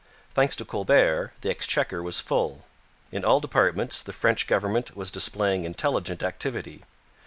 Thanks to Colbert, the exchequer was full. In all departments the French government was displaying intelligent activity.